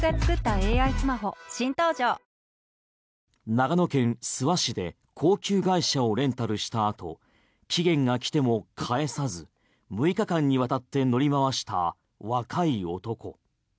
長野県諏訪市で高級外車をレンタルした後期限が来ても返さず６日間にわたって乗り回した若い男。